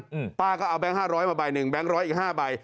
อืมป้าก็เอาแบงค์๕๐๐มาใบหนึ่งแบงค์๑๐๐อีก๕ใบ